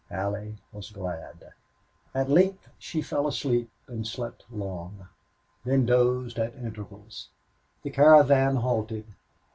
Allie was glad. At length she fell asleep and slept long, then dozed at intervals. The caravan halted.